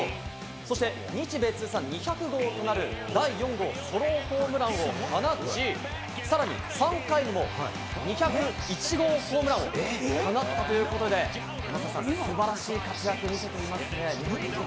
そして日米通算２００号となる第４号ソロホームランを放ち、さらに３回にも２０１号ホームランを放ったということで、素晴らしい活躍を見せていますね。